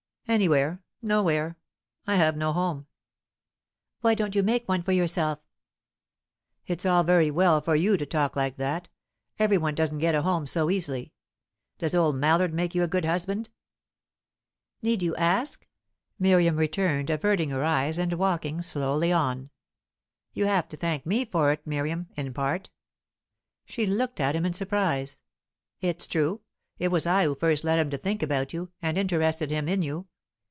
"Anywhere; nowhere. I have no home." "Why don't you make one for yourself?" "It's all very well for you to talk like that. Every one doesn't get a home so easily. Does old Mallard make you a good husband?" "Need you ask that?" Miriam returned, averting her eyes, and walking slowly on. "You have to thank me for it, Miriam, in part." She looked at him in surprise. "It's true. It was I who first led him to think about you, and interested him in you.